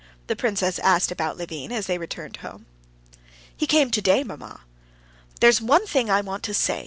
the princess asked about Levin, as they returned home. "He came today, mamma." "There's one thing I want to say...."